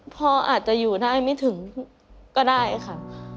พ่ออาจจะอยู่ได้ไม่ถึงก็ได้ค่ะ